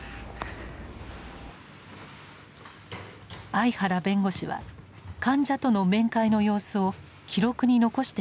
相原弁護士は患者との面会の様子を記録に残していました。